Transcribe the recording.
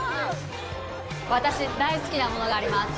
私、大好きなものがあります。